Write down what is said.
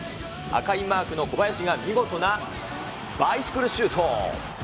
赤いマークの小林が見事なバイシクルシュート。